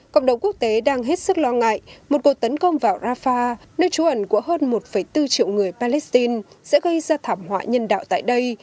cộng đồng quốc tế đang hết sức lo ngại một cuộc tấn công vào rafah nơi trú ẩn của hơn một bốn triệu người palestine sẽ gây ra thảm họa nhân đạo tại đây